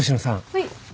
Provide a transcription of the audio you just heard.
はい。